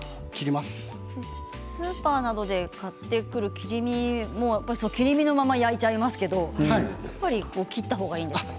駒村スーパーなどで買ってくる切り身も切り目のまま焼いちゃいますけれどやっぱり切った方がいいんですね。